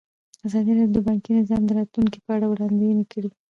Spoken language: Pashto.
ازادي راډیو د بانکي نظام د راتلونکې په اړه وړاندوینې کړې.